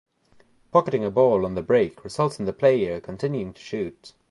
Pocketing a ball on the break results in the player continuing to shoot.